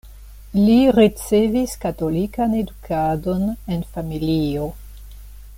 Li ricevis katolikan edukadon en familio.